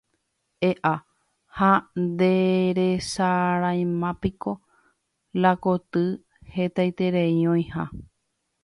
E'a, ha nderesaráimapiko la koty hetaiterei oĩha